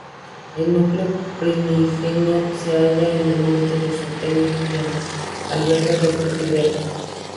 El núcleo primigenio se halla en el monte de Sopeña y alberga restos íberos.